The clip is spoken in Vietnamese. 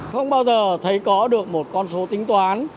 không bao giờ thấy có được một con số tính toán